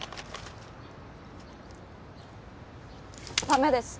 駄目です。